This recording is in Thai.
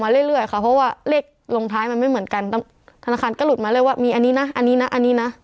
เรื่อยค่ะเพราะว่าเลขลงท้ายมันไม่เหมือนกันธนาคารก็หลุดมาเลยว่ามีอันนี้นะอันนี้นะอันนี้นะ